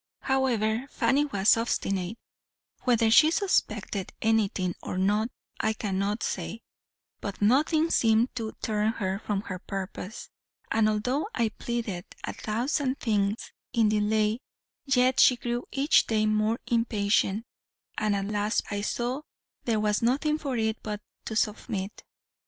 "However, Fanny was obstinate whether she suspected anything or not I cannot say but nothing seemed to turn her from her purpose; and although I pleaded a thousand things in delay, yet she grew each day more impatient, and at last I saw there was nothing for it but to submit.